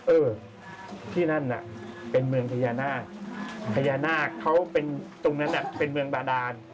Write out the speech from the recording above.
เออที่นั่นน่ะเป็นเมืองพญานาคพญานาคเขาเป็นตรงนั้นเป็นเมืองบาดาน